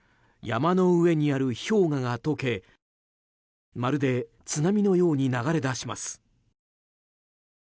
山の上にある氷河が解けまるで、津波のように流れ出します。